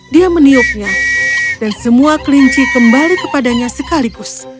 dia meniupnya dan semua kelinci kembali kepadanya sekaligus